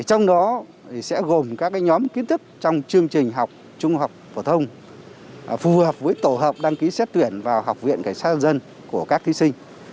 trong đó sẽ gồm các nhóm kiến thức trong chương trình học trung học phổ thông phù hợp với tổ hợp đăng ký xét tuyển vào học viện cảnh sát dân của các thí sinh